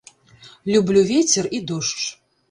Люблю вецер і дождж.